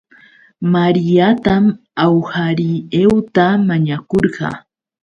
Mariatam awhariieuta mañakurqaa